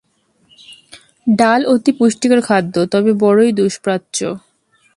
ডাল অতি পুষ্টিকর খাদ্য, তবে বড়ই দুষ্পাচ্য।